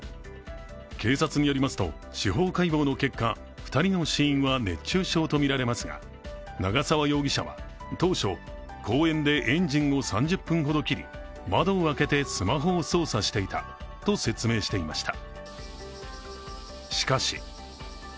警察によりますと司法解剖の結果、２人の死因は熱中症とみられますが長澤容疑者は当初公園でエンジンを３０分ほど切り、窓を開けてスマホを操作していたと説明していました。